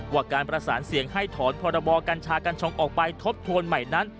ว่าการประสานเสียงให้ถอนพรบกัญชากัญชงออกไปทบทวนใหม่นั้น